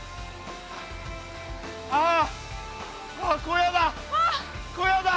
あああ小屋だ！